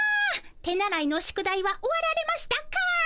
手習いの宿題は終わられましたか？